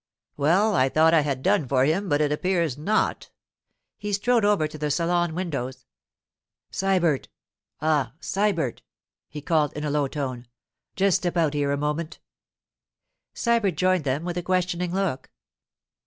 'Well! I thought I had done for him, but it appears not.' He strode over to the salon windows. 'Sybert—ah, Sybert,' he called in a low tone, 'just step out here a moment.' Sybert joined them with a questioning look.